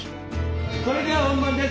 それでは本番です。